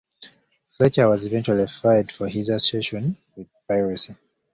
Fletcher was eventually fired for his association with piracy.